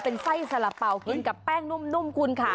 เป็นไส้สละเป๋ากินกับแป้งนุ่มคุณค่ะ